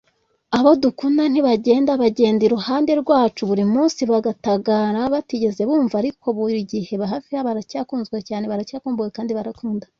abo dukunda ntibagenda, bagenda iruhande rwacu burimunsi batagaragara, batigeze bumva, ariko burigihe hafi, baracyakunzwe, baracyakumbuye kandi nkunda cyane